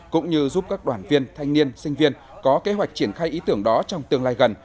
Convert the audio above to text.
cũng như giúp các đoàn viên thanh niên sinh viên có kế hoạch triển khai ý tưởng đó trong tương lai gần